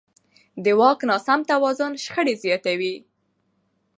د واک ناسم توازن شخړې زیاتوي